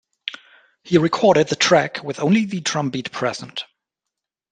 He recorded the track with only the drum beat present.